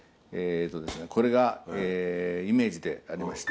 これがイメージでありまして。